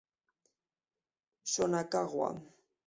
So Nakagawa